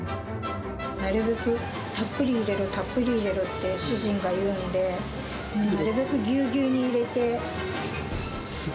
なるべく、たっぷり入れろ、たっぷり入れろって主人が言うんで、なるべくぎゅうぎゅうに入れて。